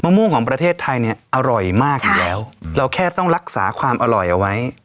ม่วงของประเทศไทยเนี่ยอร่อยมากอยู่แล้วเราแค่ต้องรักษาความอร่อยเอาไว้